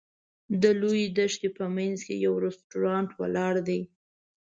د لویې دښتې په منځ کې یو رسټورانټ ولاړ دی.